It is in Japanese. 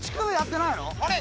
あれ？